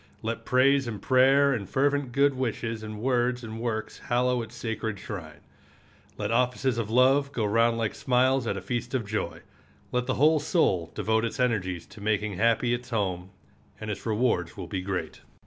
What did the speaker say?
Let praise and prayer and fervent good wishes and words and works hallow its sacred shrine. Let offices of love go round like smiles at a feast of joy. Let the whole soul devote its energies to making happy its home, and its rewards will be great.